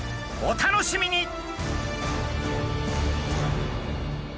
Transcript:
お楽しみに！